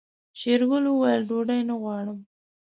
شېرګل وويل ډوډۍ نه غواړي.